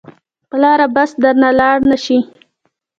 پلاره بس درنه لاړ نه شي.